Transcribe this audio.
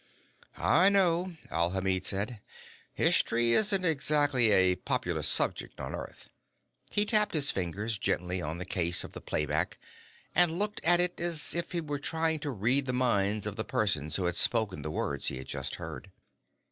"I know," Alhamid said. "History isn't exactly a popular subject on Earth." He tapped his fingers gently on the case of the playback and looked at it as if he were trying to read the minds of the persons who had spoken the words he had just heard.